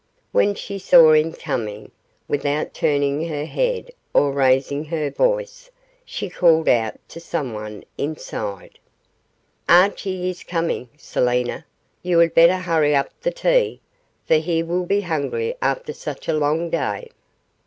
When she saw him coming, without turning her head or raising her voice, she called out to someone inside, 'Archie is coming, Selina you had better hurry up the tea, for he will be hungry after such a long day.